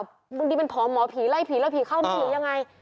บางทีเป็นผอมหมอผีไล่ผีไล่ผีเข้าผีหรือยังไง